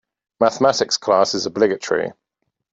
Mathematics class is obligatory.